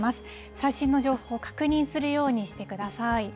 最新の情報、確認するようにしてください。